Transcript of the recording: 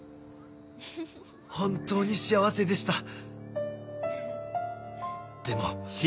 本当に幸せでしたでも。